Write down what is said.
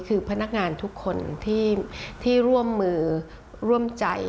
คือพนักงานทุกคนที่ร่วมมือร่วมใจ